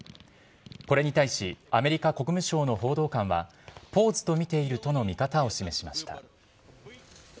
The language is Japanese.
これに対しアメリカ国務省の報道官はポーズとみているとの見方を示しました。